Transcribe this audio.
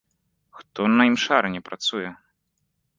Хто на імшарыне працуе?